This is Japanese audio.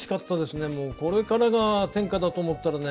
これからが天下だと思ったらね